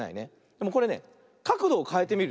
でもこれねかくどをかえてみるの。